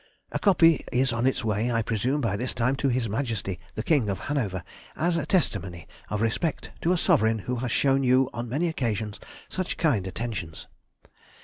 A copy is on its way I presume by this time to His Majesty the King of Hanover, as a testimony of respect to a sovereign who has shown you on many occasions such kind attentions.